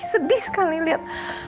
sedih sekali lihat